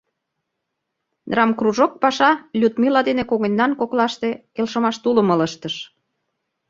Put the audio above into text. Драмкружок паша Людмила дене когыньнан коклаште келшымаш тулым ылыжтыш.